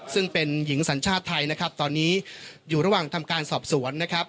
ซึ่งเป็นหญิงสัญชาติไทยตอนนี้อยู่ระหว่างทำการสอบสวน